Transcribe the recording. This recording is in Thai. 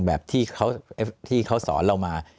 แบบที่เขาสอนเรามา